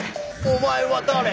お前は誰？」